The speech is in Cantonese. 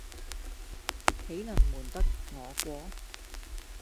豈能瞞得我過。